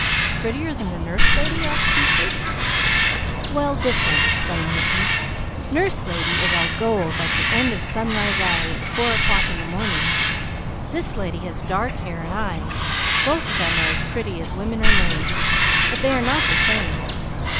"Prettier than the Nurse Lady?" asked Peaches. "Well different," explained Mickey. "Nurse Lady is all gold like the end of Sunrise Alley at four o'clock in the morning. This lady has dark hair and eyes. Both of them are as pretty as women are made, but they are not the same.